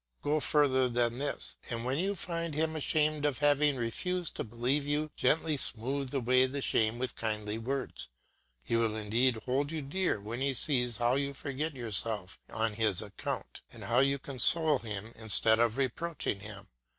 Go further than this, and when you find him ashamed of having refused to believe you, gently smooth away the shame with kindly words. He will indeed hold you dear when he sees how you forget yourself on his account, and how you console him instead of reproaching him.